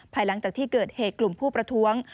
หลังจากที่เกิดเหตุกลุ่มผู้ประท้วง